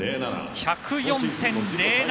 １０４．０７！